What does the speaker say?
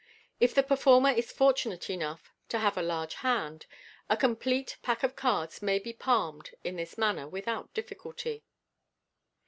If the performer is fortunate enough to have a large hand, a complete pack of cards may be palmed in this manner without difficulty.